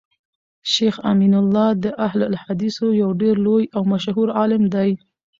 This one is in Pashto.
شيخ امین الله د اهل الحديثو يو ډير لوی او مشهور عالم دی